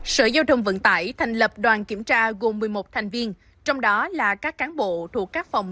sở giao thông vận tải thành lập đoàn kiểm tra gồm một mươi một thành viên trong đó là các cán bộ thuộc các phòng